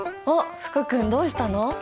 おっ福君どうしたの？